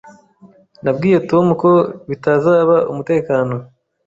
Nabwiye Tom ko bitazaba umutekano.